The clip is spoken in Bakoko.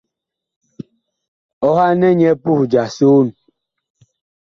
Ɔhanɛ nyɛ puh ja soon.